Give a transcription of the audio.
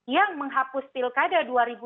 yang menghapus pilkada dua ribu dua puluh